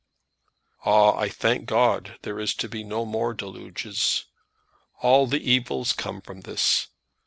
Ah, I thank God there is to be no more deluges. All the evils come from this.